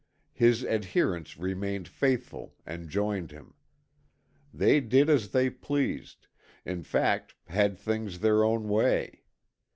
His adherents remained faithful and joined him. They did as they pleased, in fact had things their own way.